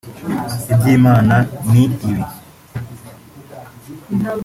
iby’Imana ni ibi